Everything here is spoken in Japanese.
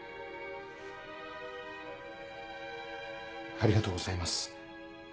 ありがとうございます。